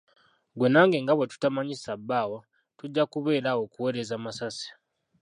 Ggwe nange nga bwe tutamanyi ssabaawa, tujja kubeera awo kuweereza masasi.